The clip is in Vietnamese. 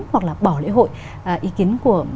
hoặc là bỏ lễ hội ý kiến của